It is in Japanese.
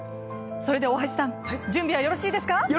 それでは大橋さん準備はよろしいですか？